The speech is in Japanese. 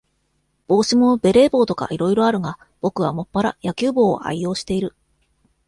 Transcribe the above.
帽子も、ベレー帽とか、いろいろあるが、ぼくはもっぱら、野球帽を愛用している。